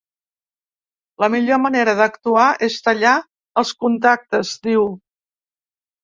La millor manera d’actuar és tallar els contactes, diu.